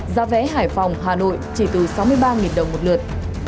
giá vé hải phòng hải phòng chỉ từ sáu mươi ba đồng một lượt